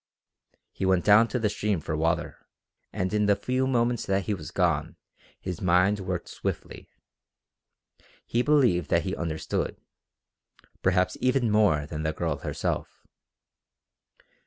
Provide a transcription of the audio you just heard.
He went down to the stream for water, and in the few moments that he was gone his mind worked swiftly. He believed that he understood, perhaps even more than the girl herself.